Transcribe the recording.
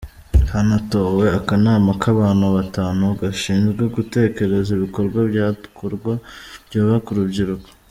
Hanatowe akanama k’abantu batanu gashinzwe gutekereza ibikorwa byakorwa byubaka urubyiruko.